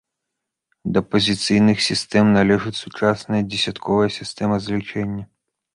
Да пазіцыйных сістэм належыць сучасная дзесятковая сістэма злічэння.